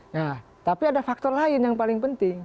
nah tapi ada faktor lain yang paling penting